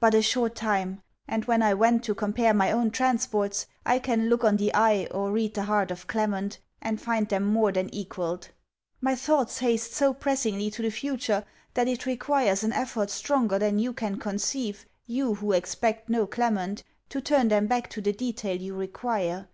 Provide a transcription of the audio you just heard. but a short time; and, when I went to compare my own transports, I can look on the eye, or read the heart of Clement, and find them more than equalled. My thoughts haste so pressingly to the future, that it requires an effort stronger than you can conceive, (you who expect no Clement) to turn them back to the detail you require.